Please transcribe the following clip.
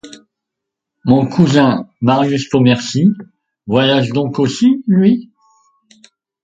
Mon cousin Marius Pontmercy voyage donc aussi, lui?